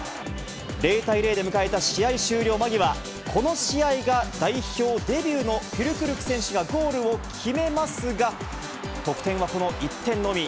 ０対０で迎えた試合終了間際、この試合が代表デビューのフュルクルク選手がゴールを決めますが、得点はこの１点のみ。